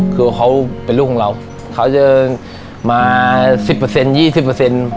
คือเขาเป็นลูกของเราเขาจะมาสิบเปอร์เซ็นต์ยี่สิบเปอร์เซ็นต์